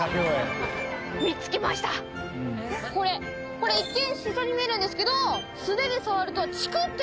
これ一見シソに見えるんですけど。